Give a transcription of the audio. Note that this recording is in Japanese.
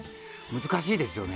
難しいですよね。